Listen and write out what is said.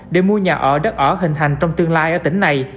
để mua nhà ở đất ở hình thành trong tương lai ở tỉnh này